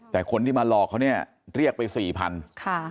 แต่คนที่มาหลอกเขาเนี่ยเรียกไป๔๐๐๐บาท